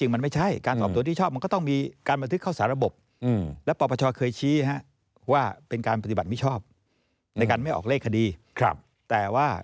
ไม่ออกเลขคดีแต่ว่า